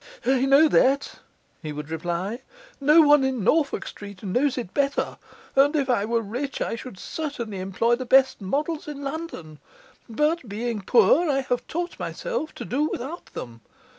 'I know that,' he would reply. 'No one in Norfolk Street knows it better; and if I were rich I should certainly employ the best models in London; but, being poor, I have taught myself to do without them.